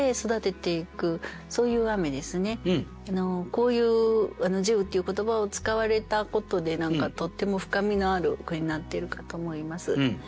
こういう「慈雨」っていう言葉を使われたことで何かとっても深みのある句になっているかと思います。